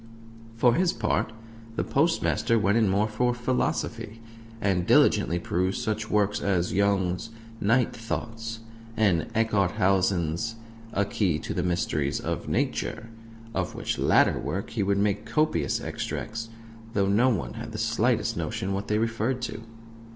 For his part, the Postmaster went in more for philosophy, and diligently perused such works as Young's Night Thoughts, and Eckharthausen's A Key to the Mysteries of Nature; of which latter work he would make copious extracts, though no one had the slightest notion what they referred to.